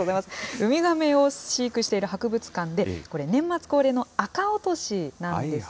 ウミガメを飼育している博物館で、これ、年末恒例のあか落としなんです。